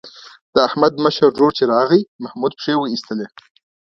د احمد مشر ورور چې راغی محمود پښې وایستلې.